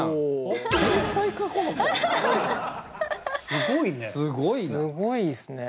すごいね。